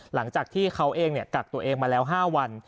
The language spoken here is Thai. หลังจากที่เขาเองกักตัวเองมาแล้ว๕วัน